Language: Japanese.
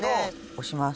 押します。